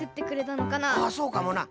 あそうかもな。